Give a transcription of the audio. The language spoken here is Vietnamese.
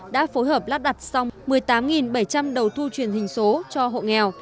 đã phối hợp lắp đặt xong một mươi tám bảy trăm linh đầu thu truyền hình số cho hộ nghèo